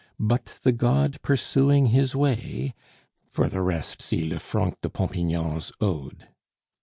"But the god pursuing his way " (For the rest, see Lefranc de Pompignan's Ode.)